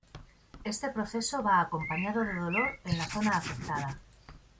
Este proceso va acompañado de dolor en la zona afectada.